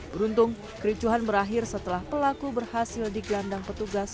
beruntung kericuhan berakhir setelah pelaku berhasil di gelandang petugas